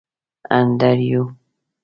انډریو.